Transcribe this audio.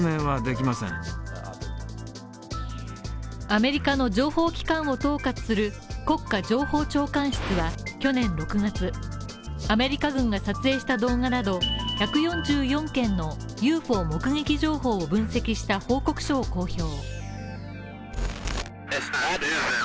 アメリカの情報機関を統括する国家情報長官室は、去年６月アメリカ軍が撮影した動画など１４４件のＵＦＯ目撃情報を分析した報告書を公表。